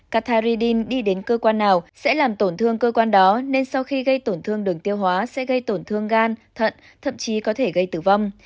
catharym đi đến cơ quan nào sẽ làm tổn thương cơ quan đó nên sau khi gây tổn thương đường tiêu hóa sẽ gây tổn thương gan thận thậm chí có thể gây tử vong